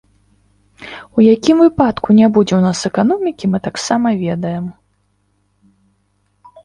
У якім выпадку не будзе ў нас эканомікі, мы таксама ведаем.